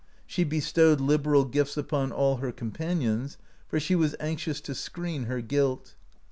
She bestowed liberal gifts upon all of her companions, for she was anxious to screen her guilt.